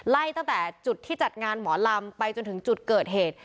ไล่ตั้งแต่จุดที่จัดงานหมอลำไปจนถึงจุดเกิดเหตุ